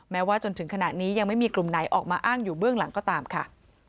ว่าจนถึงขณะนี้ยังไม่มีกลุ่มไหนออกมาอ้างอยู่เบื้องหลังก็ตามค่ะ